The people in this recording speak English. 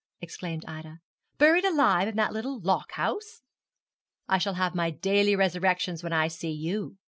exclaimed Ida, 'buried alive in that little lock house?' 'I shall have my daily resurrection when I see you.'